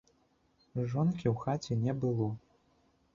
Жонкі ў хаце не было.